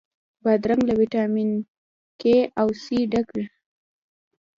بادرنګ له ویټامین K او C ډک وي.